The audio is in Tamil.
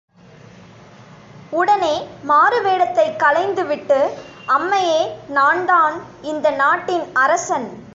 உடனே, மாறுவேடத்தைக் களைந்துவிட்டு, அம்மையே நான்தான் இந்த நாட்டின் அரசன்!